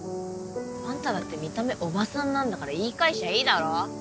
あんただって見た目おばさんなんだから言い返しゃいいだろ。